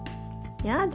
やだ